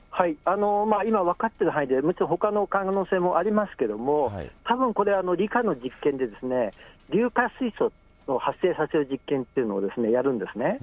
今分かってる範囲で、むしろほかの可能性もありますけれども、たぶんこれ、理科の実験で、硫化水素を発生させる実験というのをやるんですね。